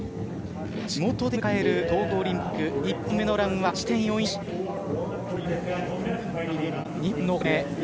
地元で迎える東京オリンピック１本目のランは８．４１。